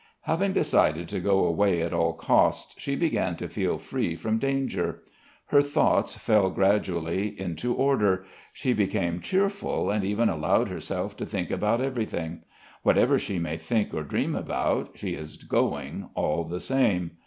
Having decided to go away at all costs, she began to feel free from danger; her thoughts fell gradually into order, she became cheerful and even allowed herself to think about everything. Whatever she may think or dream about, she is going all the same.